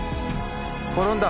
転んだ？